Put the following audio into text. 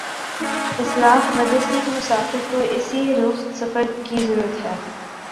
اصلاح مدرسہ کے مسافر کو اسی رخت سفر کی ضرورت ہے۔